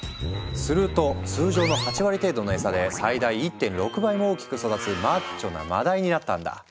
すると通常の８割程度の餌で最大１．６倍も大きく育つマッチョなマダイになったんだ。